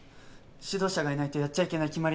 指導者がいないとやっちゃいけない決まりだから。